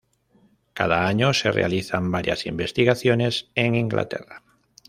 Cada año se realizan varias investigaciones en Inglaterra.